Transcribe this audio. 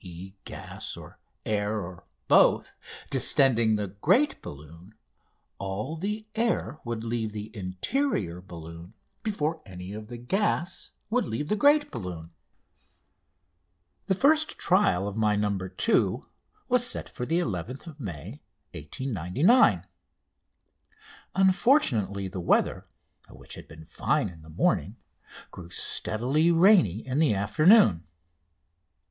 e._ gas or air, or both) distending the great balloon, all the air would leave the interior balloon before any of the gas would leave the great balloon. The first trial of my "No. 2" was set for 11th May 1899. Unfortunately, the weather, which had been fine in the morning, grew steadily rainy in the afternoon.